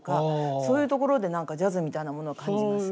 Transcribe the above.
そういうところで何かジャズみたいなものを感じます。